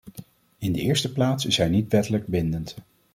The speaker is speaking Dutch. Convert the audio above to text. In de eerste plaats is hij niet wettelijk bindend.